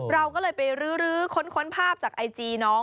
เราก็เลยไปรื้อค้นภาพจากไอจีน้อง